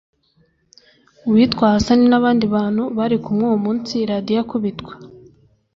uwitwa Hassan n’abandi bantu bari kumwe uwo munsi Radio akubitwa